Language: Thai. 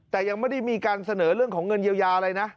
แต่ยังไม่ได้มีการเสนอเรื่องของเงินเยียวยาอะไรนะ